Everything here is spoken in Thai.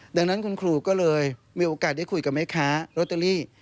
ดังนั้นคุณครูก็เลยมีโอกาสได้คุยกับแม่ค้าโรตเตอรี่